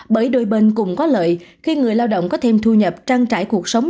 bởi đôi bên cũng có lợi khi người lao động có thêm thu nhập trang trải cuộc sống